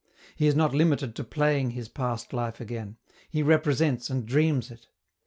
He is not limited to playing his past life again; he represents and dreams it.